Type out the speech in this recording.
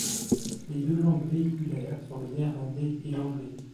Les deux langues véhiculaires sont le néerlandais et l'anglais.